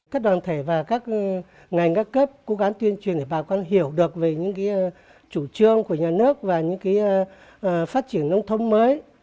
các đoàn thể và các ngành các cấp cố gắng tuyên truyền để bà con hiểu được về những chủ trương của nhà nước và những phát triển nông thôn mới